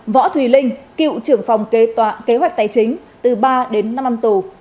võ thùy linh cựu trưởng phòng kế hoạch tài chính từ ba đến năm năm tù